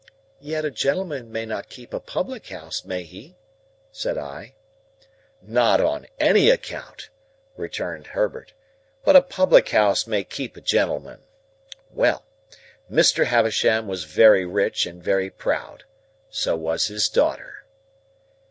"Yet a gentleman may not keep a public house; may he?" said I. "Not on any account," returned Herbert; "but a public house may keep a gentleman. Well! Mr. Havisham was very rich and very proud. So was his daughter."